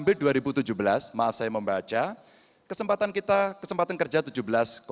belum terus yang menyerah